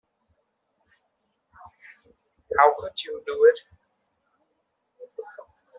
How could you do it?